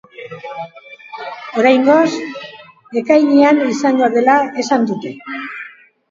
Oraingoz, ekainean izango dela esan dute.